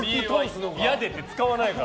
やでって使わないから。